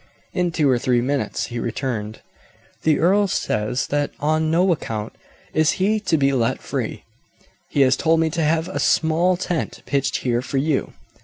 In two or three minutes he returned. "The earl says that on no account is he to be let free. He has told me to have a small tent pitched here for you.